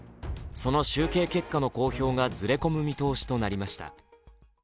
その集計結果の公表がずれ込む見通しとなりました。